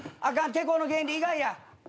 てこの原理以外や。